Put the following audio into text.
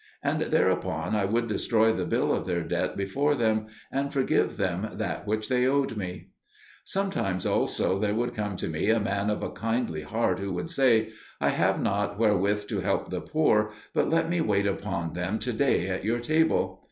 And thereupon I would destroy the bill of their debt before them, and forgive them that which they owed me. Sometimes also there would come to me a man of a kindly heart who would say, "I have not wherewith to help the poor, but let me wait upon them to day at your table."